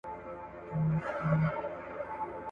• لکه د چيکال زو سپى، توت ځني ورک دي، ولو ته غاپي.